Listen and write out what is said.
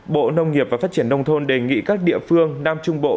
bộ nông nghiệp và phát triển nông thôn đề nghị các địa phương nam trung bộ